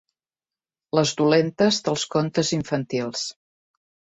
Les dolentes dels contes infantils.